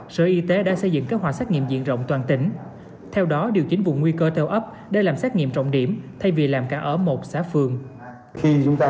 sở y tế đã xây dựng kế hoạch xét nghiệm diện rộng toàn tỉnh theo đó điều chỉnh vùng nguy cơ theo ấp để làm xét nghiệm trọng điểm thay vì làm cả ở một xã phường